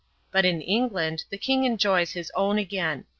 "But in England the king enjoys his own again.